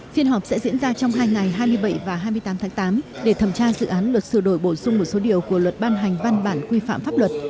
phiên họp sẽ diễn ra trong hai ngày hai mươi bảy và hai mươi tám tháng tám để thẩm tra dự án luật sửa đổi bổ sung một số điều của luật ban hành văn bản quy phạm pháp luật